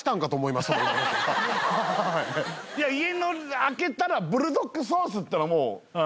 いや家の開けたらブルドックソースっていうのがもう当たり前。